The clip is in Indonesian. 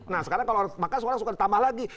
nah sekarang kalau orang makan suka ditambah lagi